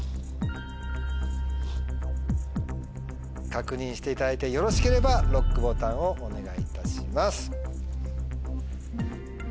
確認していただいてよろしければＬＯＣＫボタンをお願いいたします。